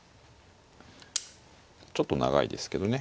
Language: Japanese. ちょっと長いですけどね